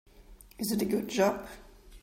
Is it a good job?